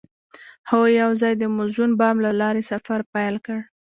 هغوی یوځای د موزون بام له لارې سفر پیل کړ.